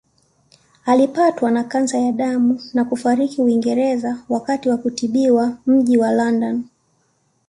Alipatwa na kansa ya damu na kufariki Uingereza wakati wa kutibiwa mji wa London